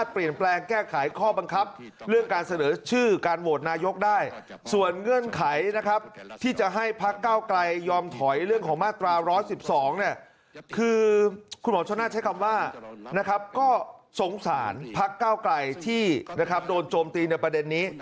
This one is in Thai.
พักเก้าไกลที่นะครับโดนโจมตีในประเด็นนี้